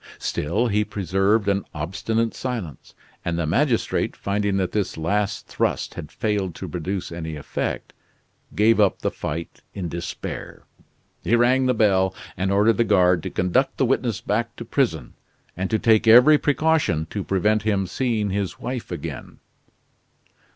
Still, he preserved an obstinate silence; and the magistrate finding that this last thrust had failed to produce any effect, gave up the fight in despair. He rang the bell, and ordered the guard to conduct the witness back to prison, and to take every precaution to prevent him seeing his wife again.